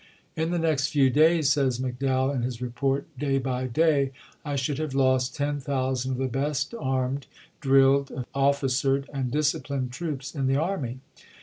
" In the next few days," says McDowell McDowell iu his report, " day by day I should have A?|.^?^i8'6i. l^st ten thousand of the best armed, drilled, ofii Yi.fp.^5.^" cered, and disciplined troops in the army."